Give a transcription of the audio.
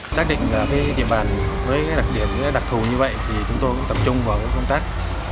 xác định địa bàn với đặc điểm đặc thù như vậy thì chúng tôi cũng tập trung vào công tác